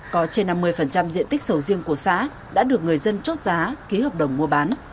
có trên năm mươi diện tích sầu riêng của xã đã được người dân chốt giá ký hợp đồng mua bán